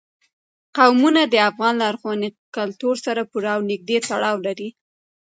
قومونه د افغان لرغوني کلتور سره پوره او نږدې تړاو لري.